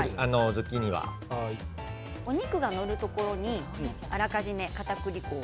お肉が載るところにあらかじめかたくり粉も。